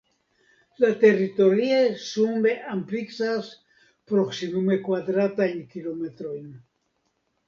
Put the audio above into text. La teritorio sume ampleksas proksimume kvadratajn kilometrojn.